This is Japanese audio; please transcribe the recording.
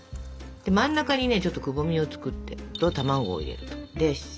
で真ん中にねちょっとくぼみを作って卵を入れると。